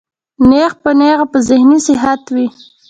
نېغ پۀ نېغه پۀ ذهني صحت وي